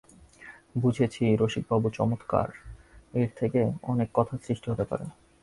বুঝেছি রসিকবাবু– চমৎকার– এর থেকে অনেক কথার সৃষ্টি হতে পারে।